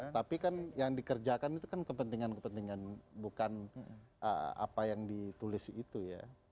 tapi kan yang dikerjakan itu kan kepentingan kepentingan bukan apa yang ditulis itu ya